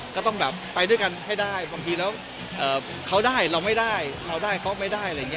ก็ต้องแบบไปด้วยกันให้ได้บางทีแล้วเขาได้เราไม่ได้เราได้เขาไม่ได้อะไรอย่างนี้